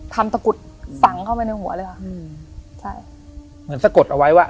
ตะกุดฝังเข้าไปในหัวเลยค่ะอืมใช่เหมือนสะกดเอาไว้ว่า